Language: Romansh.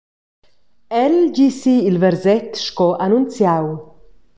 El di si il verset sco annunziau.